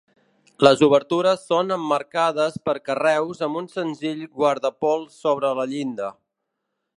Les obertures són emmarcades per carreus amb un senzill guardapols sobre la llinda.